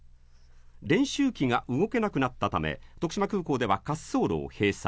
練習機が動けなくなったため、徳島空港では滑走路を閉鎖。